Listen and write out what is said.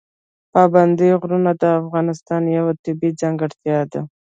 پابندی غرونه د افغانستان یوه طبیعي ځانګړتیا ده.